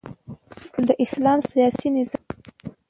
د اسلام سیاسی نظام